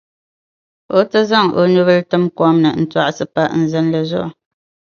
o ti zaŋ o nubil’ tim kom ni n-tɔɣisi pa n zilinli zuɣu.